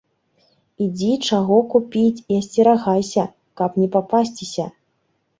Ідзі чаго купіць і асцерагайся, каб не папасціся.